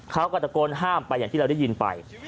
เขาก็ตะโกนห้ามไปอย่างที่เราได้ยินไป